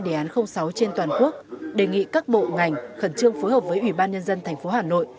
đề án sáu trên toàn quốc đề nghị các bộ ngành khẩn trương phối hợp với ủy ban nhân dân tp hà nội